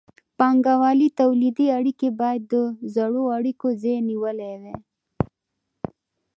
بانګوالي تولیدي اړیکې باید د زړو اړیکو ځای نیولی وای.